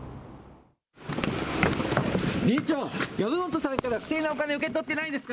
理事長、籔本さんから不正なお金、受け取ってないですか？